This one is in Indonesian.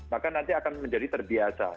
maka nanti akan menjadi terbiasa